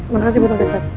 makasih butang kecap